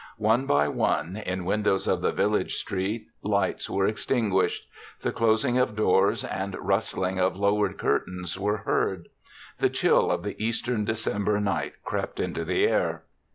One by one, in windows of the village street, lights were extinguished. The clos ing of doors and rustling of lowered curtains were heard. The chill of the Eastern December night crept into the air.